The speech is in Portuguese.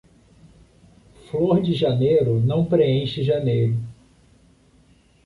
Flor de janeiro não preenche janeiro.